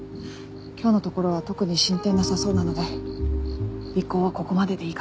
今日のところは特に進展なさそうなので尾行はここまででいいかと。